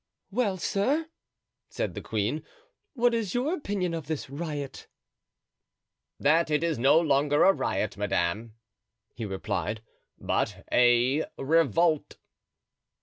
"Well, sir," said the queen, "what is your opinion of this riot?" "That it is no longer a riot, madame," he replied, "but a revolt."